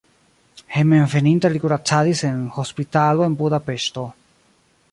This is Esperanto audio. Hejmenveninta li kuracadis en hospitalo en Budapeŝto.